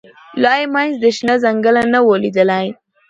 لا یې منځ د شنه ځنګله نه وو لیدلی